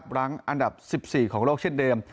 รั้งอันดับ๑๔ของโลกเช่นเดิม